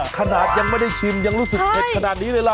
ขนาดยังไม่ได้ชิมยังรู้สึกเผ็ดขนาดนี้เลยล่ะ